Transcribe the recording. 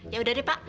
ya udah deh pak